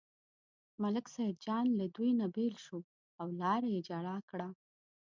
ملک سیدجان له دوی نه بېل شو او لاره یې جلا کړه.